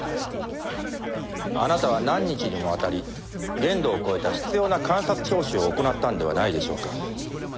あなたは何日にもわたり限度を超えた執拗な監察聴取を行ったんではないでしょうか。